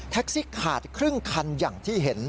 ซี่ขาดครึ่งคันอย่างที่เห็น